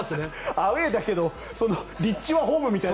アウェーだけど立地はホームみたいな。